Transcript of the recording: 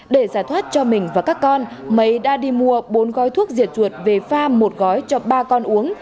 để giải thoát cho mình và các con mấy đã đi mua bốn gói thuốc diệt chuột về pha một gói cho ba con uống